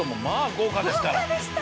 豪華でした！